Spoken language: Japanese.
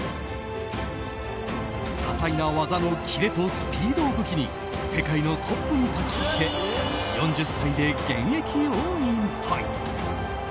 多彩な技のキレとスピードを武器に世界のトップに立ち続け４０歳で現役を引退。